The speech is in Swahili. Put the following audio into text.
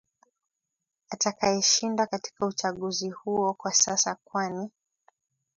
atakaeshinda katika uchaguzi huo kwa sasa kwani